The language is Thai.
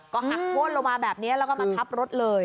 ก็หักพ้นลมมาแบบนี้ก็มาพับรถเลย